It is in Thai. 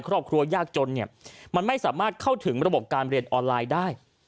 ครอบครัวยากจนเนี่ยมันไม่สามารถเข้าถึงระบบการเรียนออนไลน์ได้